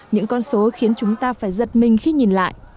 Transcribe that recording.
những con số khiến chúng ta phải giật mình khi nhìn lại